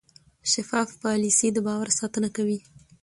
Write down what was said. شفاف پالیسي د باور ساتنه کوي.